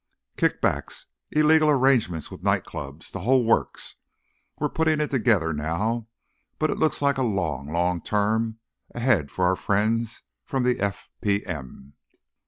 Kickbacks, illegal arrangements with night clubs, the whole works. We're putting it together now, but it looks like a long, long term ahead for our friends from the FPM."